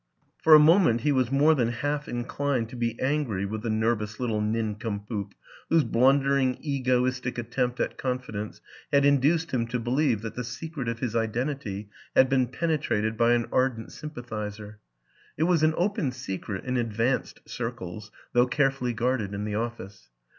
For a moment he was more than half inclined to be angry with the nervous little nincompoop whose blundering, ego istic attempt at confidence had induced him to be lieve that the secret of his identity had been pen etrated by an ardent sympathizer. (It was an open secret in " advanced " circles, though care fully guarded in the office.)